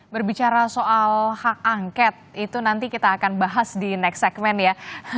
berbicara soal hak angket itu nanti kita akan bahas di next segmen ya